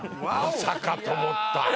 まさかと思った。